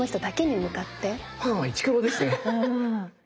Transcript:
ファンはイチコロですね！